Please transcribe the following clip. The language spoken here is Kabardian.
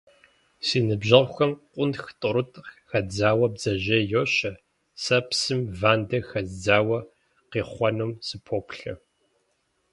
Си ныбжьэгъухэм къунтх тӏурытӏ хадзауэ бдзэжьей йощэ, сэ псым вандэ хэздзауэ, къихъуэнум сыпоплъэ.